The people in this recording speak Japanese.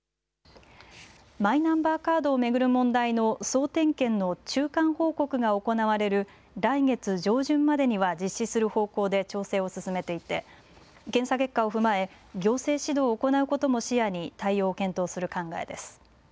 マイナンバーカードを巡る問題の総点検の中間報告が行われる来月上旬までには実施する方向で調整を進めていて検査結果を踏まえ行政指導を行うことも視野に対応を検討する考えです。